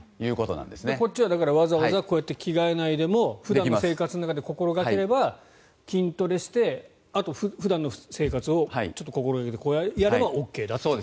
こっちはわざわざ着替えないでも普段の生活の中で心掛ければ筋トレしてあとは普段の生活をちょっと心掛けてやればＯＫだという。